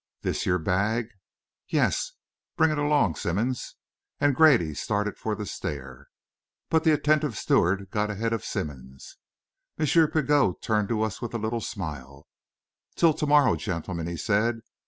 This your bag? Yes? Bring it along, Simmonds," and Grady started for the stair. But the attentive steward got ahead of Simmonds. M. Pigot turned to us with a little smile. "Till to morrow, gentlemen," he said.